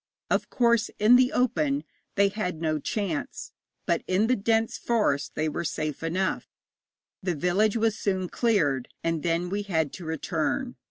Of course, in the open they had no chance, but in the dense forest they were safe enough. The village was soon cleared, and then we had to return.